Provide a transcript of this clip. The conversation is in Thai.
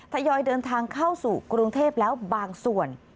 ทยอยเดินทางเข้าสู่กรุงเทพแล้วบางส่วน